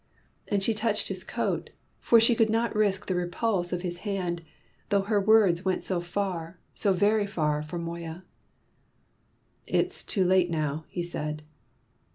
And she touched his coat, for she could not risk the repulse of his hand, though her words went so far so very far for Moya. "It's too late now," he said.